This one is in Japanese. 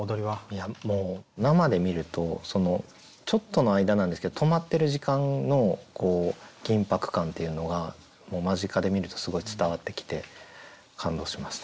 いやもう生で見るとちょっとの間なんですけど止まってる時間の緊迫感っていうのが間近で見るとすごい伝わってきて感動しました。